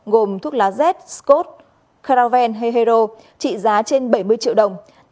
gồm thuốc lá z scott caraven hay hero trị giá trên bảy mươi triệu đồng